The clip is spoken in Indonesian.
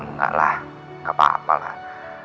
enggak lah nggak apa apa lah